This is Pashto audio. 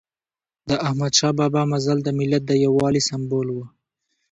د احمد شاه بابا مزل د ملت د یووالي سمبول و.